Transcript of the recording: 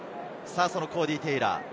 そのコーディー・テイラー。